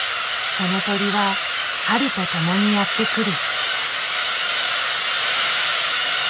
その鳥は春とともにやって来る。